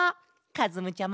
かずむちゃま？